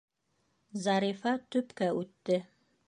Зарифа төпкә үтте.